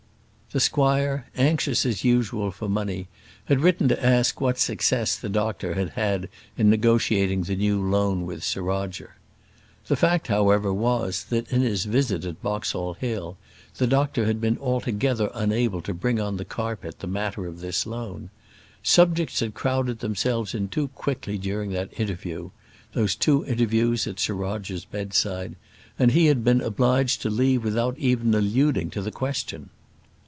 The squire, anxious as usual for money, had written to ask what success the doctor had had in negotiating the new loan with Sir Roger. The fact, however, was, that in his visit at Boxall Hill, the doctor had been altogether unable to bring on the carpet the matter of this loan. Subjects had crowded themselves in too quickly during that interview those two interviews at Sir Roger's bedside; and he had been obliged to leave without even alluding to the question.